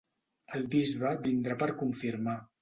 El bisbe vindrà per confirmar.